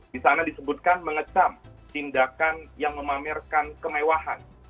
di sana disebutkan mengecam tindakan yang memamerkan kemewahan